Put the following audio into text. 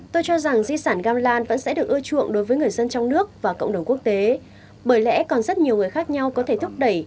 tôi cho rằng di sản gamlan vẫn sẽ được ưa chuộng đối với người dân trong nước và cộng đồng quốc tế bởi lẽ còn rất nhiều người khác nhau có thể thúc đẩy